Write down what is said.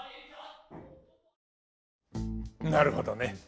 なるほどね。